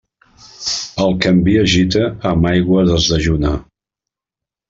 El que amb vi es gita, amb aigua desdejuna.